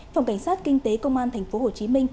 phòng cảnh sát kinh tế công an tp hcm